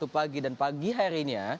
pagi dan pagi harinya